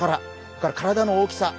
それから体の大きさ。